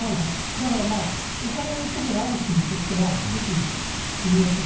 だからお金とかがある人にとってはすごく住みやすい。